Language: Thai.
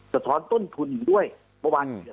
สะท้อนต้นทุนด้วยเมื่อวานเผื่อ